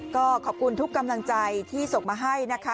ก็ขอบคุณทุกกำลังใจที่ส่งมาให้นะคะ